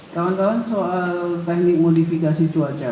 kawan kawan soal teknik modifikasi cuaca